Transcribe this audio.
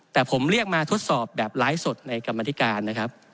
แต่ผมเรียกมาทดสอบแบบไลฟ์สดในกรรมธิการนะครับ